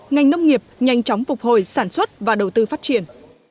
ngành nông nghiệp nhanh chóng phục hồi sản xuất và đầu tư phát triển